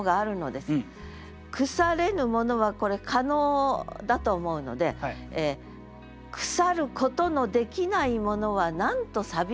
「腐れぬもの」はこれ可能だと思うので腐ることのできないものはなんと寂しいことかと。